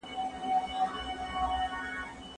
تاسي ولي د مسلمانانو د اتحاد لپاره کار نه کاوه؟